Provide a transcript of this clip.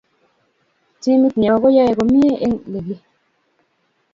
timit nyoo koyae komiei eng ligi